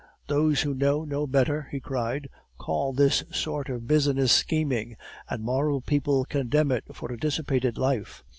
"'Those who know no better,' he cried, 'call this sort of business scheming, and moral people condemn it for a "dissipated life."